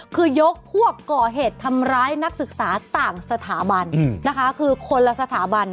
คือยกพวกก่อเหตุทำร้ายนักศึกษาต่างสถาบันนะคะคือคนละสถาบัน